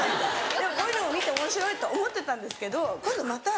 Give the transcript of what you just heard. こういうのを見ておもしろいと思ってたんですけど今度また。